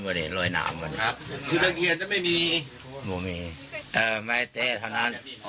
เพราะมีความคล้ายคือใช้ตะเคียนไหมบอกแม่อืมอืมอ้าวพูดเลย